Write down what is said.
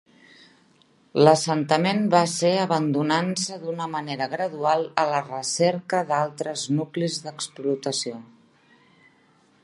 L'assentament va ser abandonant-se d'una manera gradual a la recerca d'altres nuclis d'explotació.